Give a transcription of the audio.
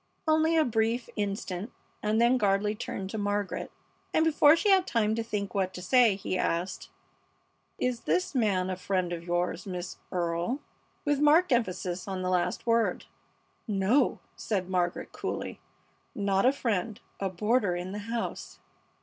Only a brief instant and then Gardley turned to Margaret, and before she had time to think what to say, he asked: "Is this man a friend of yours, Miss Earle?" with marked emphasis on the last word. "No," said Margaret, coolly, "not a friend a boarder in the house."